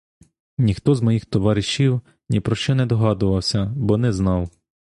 Ніхто з моїх товаришів ні про що не догадувався, бо не знав.